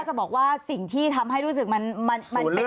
ก็จะบอกว่าสิ่งที่ทำให้รู้สึกมันเป็นที่มาของความผัดแย้ง